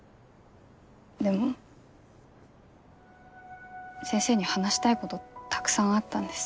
でも先生に話したいことたくさんあったんです。